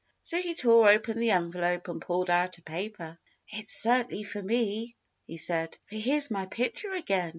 So he tore open the envelope and pulled out a paper. "It's certainly for me," he said, "for here's my picture again.